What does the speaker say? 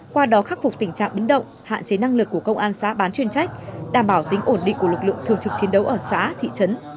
qua đó khắc phục tình trạng biến động hạn chế năng lực của công an xã bán chuyên trách đảm bảo tính ổn định của lực lượng thường trực chiến đấu ở xã thị trấn